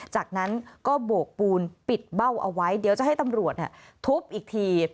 จากนั้นก็โบกปูนปิดเบ้าเอาไว้เดี๋ยวจะให้ตำรวจทุบอีกที